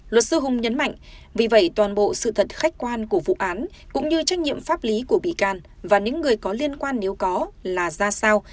luật sư hùng nhấn mạnh vì vậy toàn bộ sự thật khách quan của vụ án cũng như trách nhiệm pháp lý của bị can và những người có liên quan nếu có là ra sao